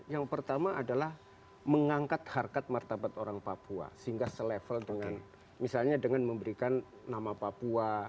yang pertama adalah mengangkat harkat martabat orang papua sehingga selevel dengan misalnya dengan memberikan nama papua